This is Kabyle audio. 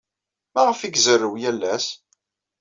Maɣef ay izerrew yal ass?